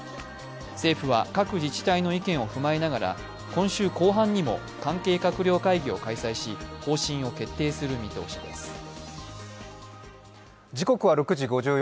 政府は各自治体の意見を踏まえながら、今週後半にも関係閣僚会議を開催し方針を決定する見通しです。